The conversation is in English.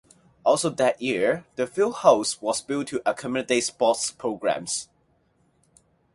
Also that year, the Fieldhouse was built to accommodate sports programs.